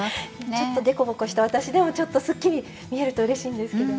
ちょっと凸凹した私でもすっきり見えるとうれしいんですけどね。